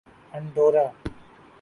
Andorra